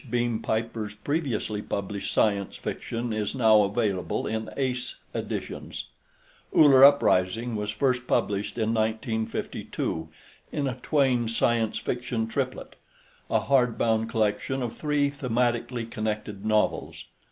Beam Piper's previously published science fiction is now available in Ace editions. Uller Uprising was first published in 1952 in a Twayne Science Fiction Triplet a hardbound collection of three thematically connected novels.